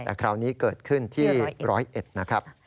แต่คราวนี้เกิดขึ้นที่ร้อยเอ็ดนะครับ